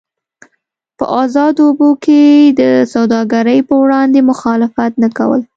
په ازادو اوبو کې د سوداګرۍ پر وړاندې مخالفت نه کول.